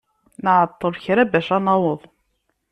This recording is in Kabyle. Nɛeṭṭel kra bac ad naweḍ.